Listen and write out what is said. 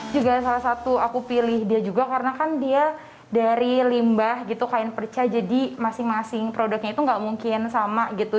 juga salah satu aku pilih dia juga karena kan dia dari limbah gitu kain perca jadi masing masing produknya itu gak mungkin dikumpulkan ke dalam produk yang lainnya